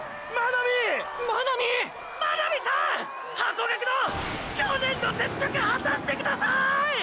ハコガクの去年の雪辱果たしてください！！